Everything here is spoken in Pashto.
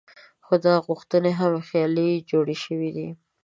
خو دا غوښتنې هم خیالي جوړې شوې دي.